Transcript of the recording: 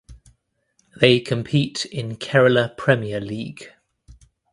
They compete in Kerala Premier League.